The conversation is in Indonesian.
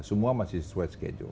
semua masih sesuai schedule